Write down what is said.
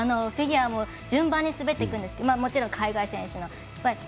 フィギュアも順番に滑っていくんですけどもちろん海外選手も。